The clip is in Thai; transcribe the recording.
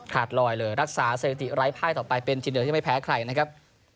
ขาดลอยเลยรักษาเศรษฐีไร้ภายต่อไปเป็นจินเดือดที่ไม่แพ้ใครนะครับ